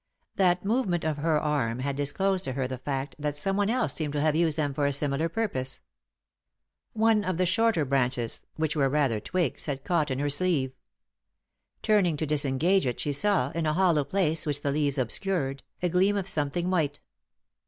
That movement of her arm had disclosed to her the feet that someone else seemed to have used them for a similar purpose. One of the shorter branches, which were rather twigs, had caught in her sleeve. Turning to disengage it, she saw, in a hollow place which the leaves obscured, a gleam of something white.